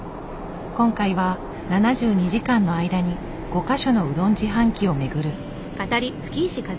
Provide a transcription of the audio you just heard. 今回は７２時間の間に５か所のうどん自販機を巡る。